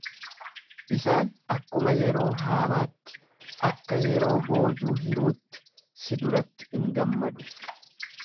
Isaan akkuma yeroo haamaatti, akka yeroo boojuu hiruutti si duratti in gammadu.